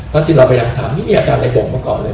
ตอนที่เราไปถามนี่มีอาการอะไรโด่งมาก่อนเลย